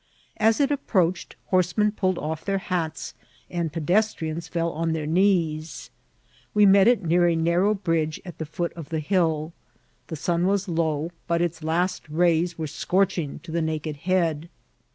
As it approach ed, horsemen pulled off their hats and pedestrians fell on their knees. We met it near a narrow bridge at the foot of the hill. The sun was low, but its last rays were scOTching to the naked head.